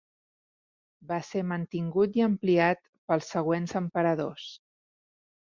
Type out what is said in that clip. Va ser mantingut i ampliat pels següents emperadors.